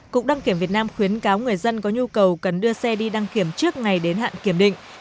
cục đăng kiểm việt nam khuyến cáo người dân có nhu cầu cần đưa xe đi đăng kiểm trước ngày đến hạn kiểm định